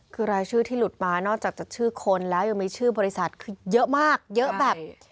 คือรายชื่อที่หลุดมานอกจากจากชื่อคนแล้วยังมีชื่อบริษัทคือเยอะมากเยอะแบบ